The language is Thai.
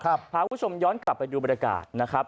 พาคุณผู้ชมย้อนกลับไปดูบรรยากาศนะครับ